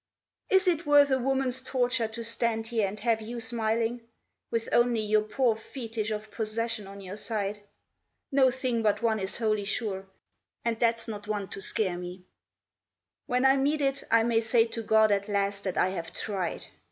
Is it worth a woman's torture to stand here and have you smiling, With only your poor fetish of possession on your side? No thing but one is wholly sure, and that's not one to scare me; When I meet it I may say to God at last that I have tried.